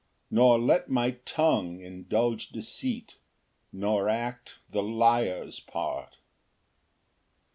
Nor let my tongue indulge deceit, Nor act the liar's part.